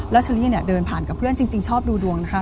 แล้วเชอรี่เนี่ยเดินผ่านกับเพื่อนจริงชอบดูดวงนะคะ